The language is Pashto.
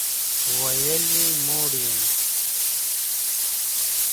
ویل یې موړ یم.